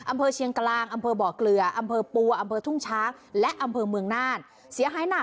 อำเภอเชียงกรางอำเภอเบาเหลืออำเภอปัวอำเภอทุ่งช้างและอำเภอเมืองน่าส